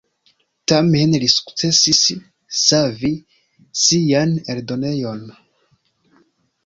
Tamen li sukcesis savi sian eldonejon.